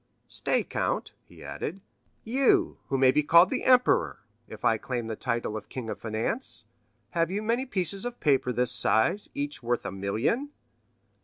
Stay, count," he added, "you, who may be called the emperor, if I claim the title of king of finance, have you many pieces of paper of this size, each worth a million?"